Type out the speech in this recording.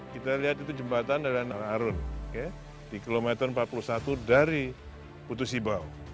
kita lihat itu jembatan adalah nalar arun di kilometer empat puluh satu dari putus ibau